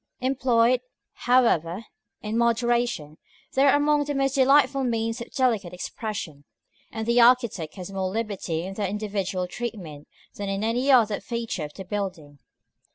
§ X. Employed, however, in moderation, they are among the most delightful means of delicate expression; and the architect has more liberty in their individual treatment than in any other feature of the building.